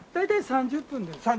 ３０分で。